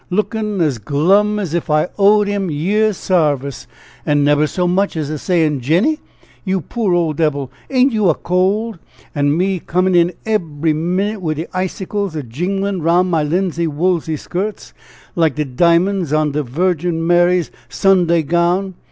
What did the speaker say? lookin' as glum as if I owed him a year's sarvice, an' nebber so much as a sayin', 'Jenny, you poor old debbil, ain't you a cold?' an' me coming in ebery minnit wid the icicles a jinglin' 'roun' my linsey woolsey skurts, like de diamonds on de Wirgin Mary's Sunday gown.